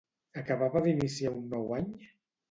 Acabava d'iniciar un nou any?